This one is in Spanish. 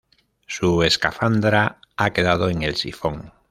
Su escafandra ha quedado en el sifón.